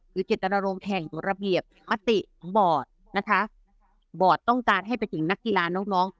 หรือเจ็ดตนารมณ์แข่งอยู่ระเบียบมัติของบอร์ดนะคะบอร์ดต้องการให้เป็นเก่งนักกีฬานน้องน้อง